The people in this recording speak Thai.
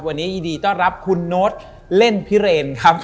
วันนี้ยินดีต้อนรับคุณโน๊ตเล่นพิเรนครับ